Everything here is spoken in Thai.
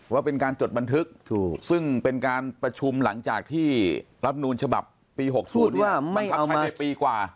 ว่าเป็นการจดบันทึกซึ่งเป็นการประชุมหลังจากที่รับนูลฉบับปี๖๐บังคับใช้ไปปีกว่า